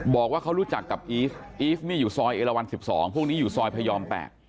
บอกว่าเขารู้จักกับอีฟอีฟนี่อยู่ซอยเอลวัน๑๒พวกนี้อยู่ซอยพยอม๘